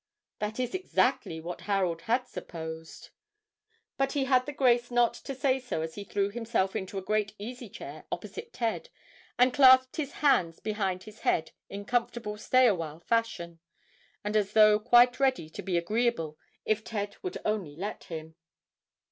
That is exactly what Harold had supposed, but he had the grace not to say so as he threw himself into a great easy chair opposite Ted and clasped his hands behind his head in comfortable stay awhile fashion, and as though quite ready to be agreeable if Ted would only let him.